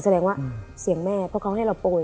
แสดงว่าเสียงแม่เพราะเขาให้เราโปรย